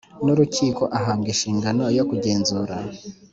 n urukiko ahabwa inshingano yo kugenzura